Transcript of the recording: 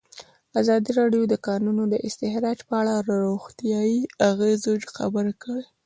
ازادي راډیو د د کانونو استخراج په اړه د روغتیایي اغېزو خبره کړې.